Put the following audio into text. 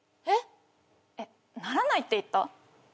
えっならないって言った？